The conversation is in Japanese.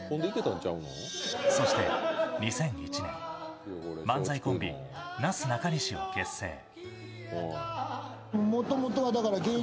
そして２００１年、漫才コンビ・なすなかにしを結成。